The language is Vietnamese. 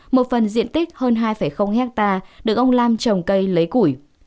một phần diện tích hơn hai hectare được ông lam trồng cây lấy củi